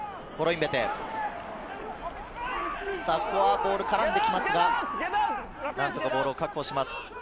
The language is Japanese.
ボールに絡んできますが、ボールを確保します。